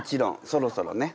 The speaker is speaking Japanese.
そろそろね。